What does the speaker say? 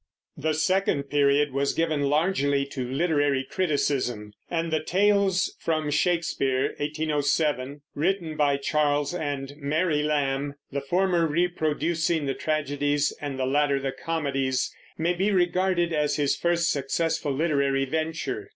The second period was given largely to literary criticism; and the Tales from Shakespeare (1807) written by Charles and Mary Lamb, the former reproducing the tragedies, and the latter the comedies may be regarded as his first successful literary venture.